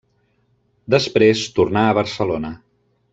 Després tornà a Barcelona.